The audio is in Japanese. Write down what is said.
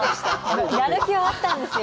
やる気はあったんですよ。